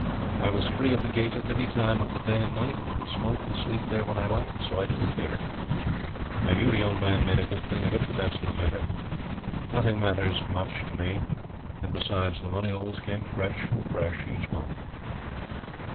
I was free of the Gate at any time of the day and night, and could smoke and sleep there when I liked, so I didn't care. I know the old man made a good thing out of it; but that's no matter. Nothing matters much to me; and, besides, the money always came fresh and fresh each month.